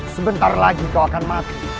sebentar lagi kau akan mati